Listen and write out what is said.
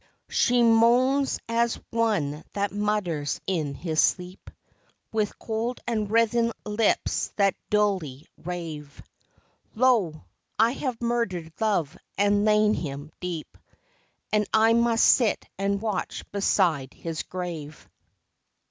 87 88 THE NIGHT WATCH . She moans as one that mutters in his sleep, With cold and writhen lips that dully rave :" Lo, I have murdered Love and lain him deep. And I must sit and watch beside his grave."